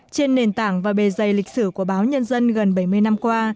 trên nền tảng và bề dày lịch sử của báo nhân dân gần bảy mươi năm qua